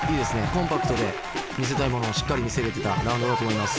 コンパクトで見せたいものをしっかり見せれてたラウンドだと思います。